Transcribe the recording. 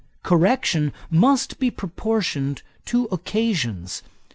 Correction must be proportioned to occasions.